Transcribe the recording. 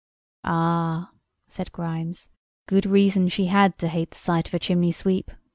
"Ah!" said Grimes, "good reason she had to hate the sight of a chimney sweep.